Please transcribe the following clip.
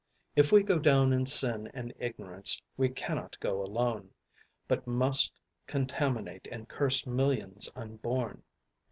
If we go down in sin and ignorance, we can not go alone, but must contaminate and curse millions unborn.